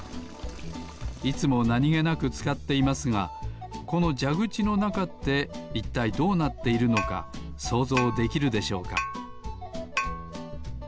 いつもなにげなくつかっていますがこのじゃぐちのなかっていったいどうなっているのかそうぞうできるでしょうか？